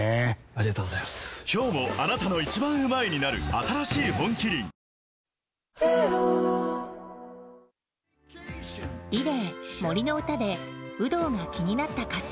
新しい「本麒麟」「Ｒｅｌａｙ杜の詩」で有働が気になった歌詞。